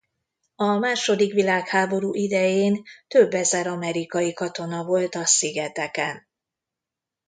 A második világháború idején több ezer amerikai katona volt a szigeteken.